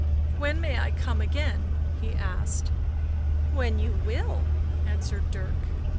When may I come again?" he asked. " When you will," answered Dirk.